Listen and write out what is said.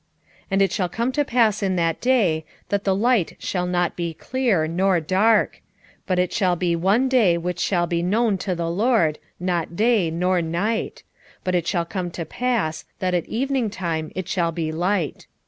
14:6 And it shall come to pass in that day, that the light shall not be clear, nor dark: 14:7 But it shall be one day which shall be known to the LORD, not day, nor night: but it shall come to pass, that at evening time it shall be light.